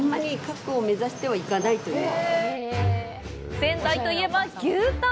仙台といえば牛タン！